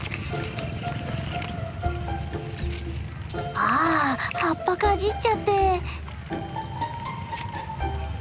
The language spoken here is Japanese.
ああ葉っぱかじっちゃって。